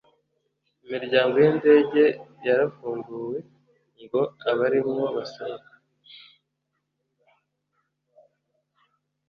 imiryango y’indege yarafunguwe ngo abarimwo basohotse